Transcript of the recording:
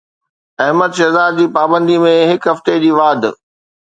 احمد شهزاد جي پابندي ۾ هڪ هفتي جي واڌ